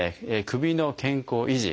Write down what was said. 首の健康維持